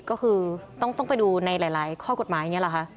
ก็คือต้องไปดูในหลายข้อกฎหมายอย่างนี้เหรอคะ